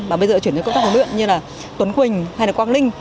và bây giờ chuyển đến công tác huyện như tuấn quỳnh hay quang linh